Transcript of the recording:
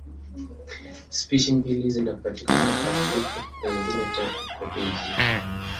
Spishi mbili zinapatikana Afrika na nyingine tatu huko Asia.